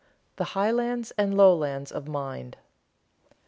THE HIGHLANDS AND LOWLANDS OF MIND.